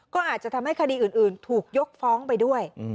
ก็อาจจะทำให้คดีอื่นถูกยกฟ้องไปด้วย